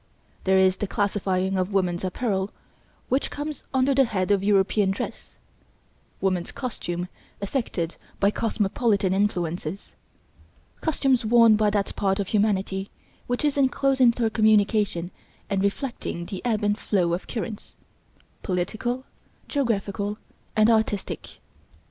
There is the classifying of woman's apparel which comes under the head of European dress, woman's costume affected by cosmopolitan influences; costumes worn by that part of humanity which is in close intercommunication and reflecting the ebb and flow of currents political, geographical and artistic.